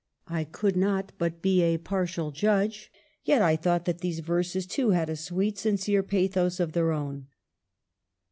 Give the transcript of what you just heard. I could not but be a partial judge, yet I thought that these verses, too, had a sweet sincere pathos of their own."